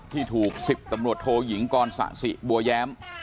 ที่ถูก๑๐ตำรวจโทยิงกรสะสิบัวแย้ม